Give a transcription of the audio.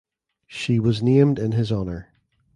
She was named in his honor.